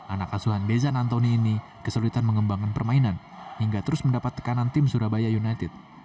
anak asuhan bezan antoni ini kesulitan mengembangkan permainan hingga terus mendapat tekanan tim surabaya united